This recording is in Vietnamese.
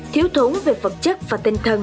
thiếu thúng về phần chất và tinh thần